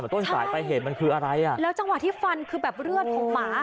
ต้นสายไปเหตุมันคืออะไรอ่ะแล้วจังหวะที่ฟันคือแบบเลือดของหมา